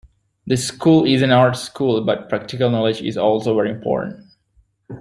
The school is an art school but practical knowledge is also very important.